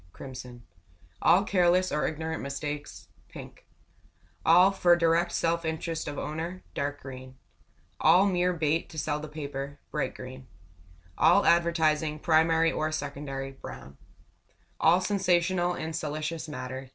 . .Crimson All careless or ignorant mistakes. . .Pink All for direct self interest of owner. . .Dark green All mere bait to sell the paper. . .Bright green All advertising, primary or secondary. . .Brown All sensational and salacious matter.